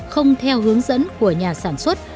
không theo hướng dẫn của nhà sản xuất